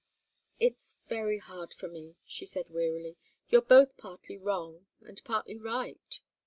"It's very hard for me," she said, wearily. "You're both partly wrong and partly right."